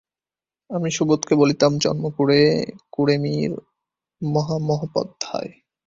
আমি সুবোধকে বলিতাম, জন্মকুঁড়ে, কুঁড়েমির মহামহোপাধ্যায়।